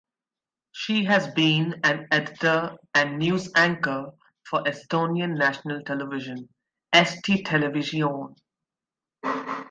She has been an editor and news anchor for Estonian national television (Eesti Televisioon).